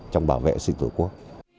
trong bảo vệ sinh tử quốc